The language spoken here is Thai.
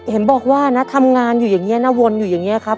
เห็นบอกว่านะทำงานอยู่อย่างนี้นะวนอยู่อย่างนี้ครับ